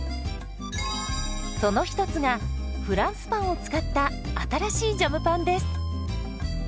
その一つがフランスパンを使った新しいジャムパンです。